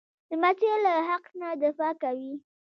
لمسی له حق نه دفاع کوي.